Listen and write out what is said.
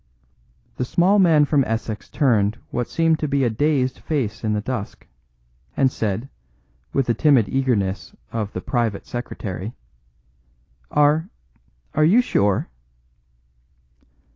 The small man from Essex turned what seemed to be a dazed face in the dusk, and said, with the timid eagerness of "The Private Secretary": "Are are you sure?"